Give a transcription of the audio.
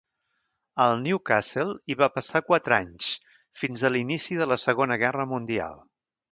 Al Newcastle hi va passar quatre anys, fins a l'inici de la Segona Guerra Mundial.